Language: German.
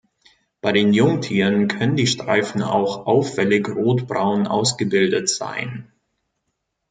Bei den Jungtieren können die Streifen auch auffällig rotbraun ausgebildet sein.